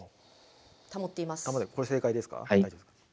これ、正解ですか。